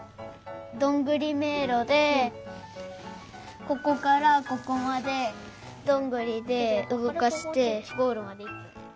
どんぐりめいろでここからここまでどんぐりでうごかしてゴールまでいく。